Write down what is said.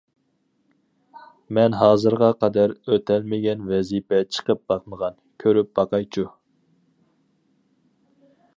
مەن ھازىرغا قەدەر ئۆتەلمىگەن ۋەزىپە چىقىپ باقمىغان، كۆرۈپ باقايچۇ!